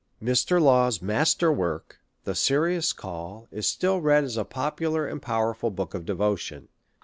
Mr. Law's master work, tiie Serious Call, is still read as a popular and powerful book of devotion.